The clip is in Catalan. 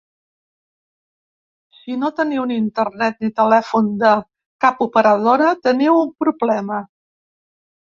Si no teniu ni internet ni telèfon de cap operadora, teniu un problema.